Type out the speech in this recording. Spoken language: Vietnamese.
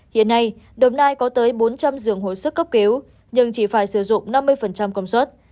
hiện nay đồng nai có tới bốn trăm linh giường hồi sức cấp cứu nhưng chỉ phải sử dụng năm mươi công suất